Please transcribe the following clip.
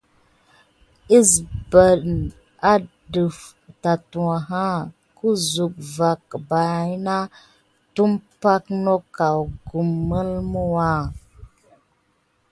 Əɓes adəf tatwaha qn kiso va bana tumpay nok akukume milimuya.